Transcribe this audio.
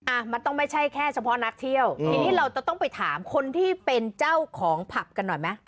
อ่ะมันต้องไม่ใช่แค่เฉพาะนักเที่ยวทีนี้เราจะต้องไปถามคนที่เป็นเจ้าของผับกันหน่อยไหม